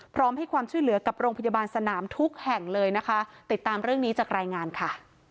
พร้อมให้ความช่วยเหลือกับโรงพยาบาลสนามทุกแห่งเลยนะคะ